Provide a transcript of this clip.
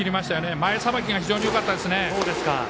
前さばきが非常によかったです。